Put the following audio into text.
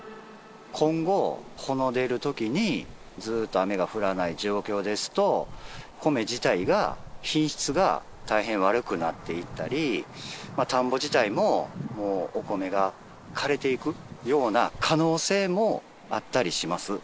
今後、穂の出るときにずっと雨が降らない状況ですと、米自体が品質が大変悪くなっていったり、田んぼ自体ももうお米が枯れていくような可能性もあったりします。